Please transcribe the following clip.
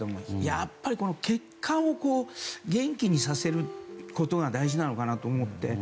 やっぱり、血管を元気にさせることが大事なのかなと思って。